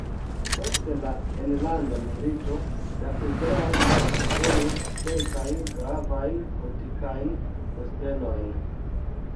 Post la Enlanda Milito, Douglass tenis kelkajn gravajn politikajn postenojn.